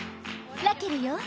「ラケル」よ。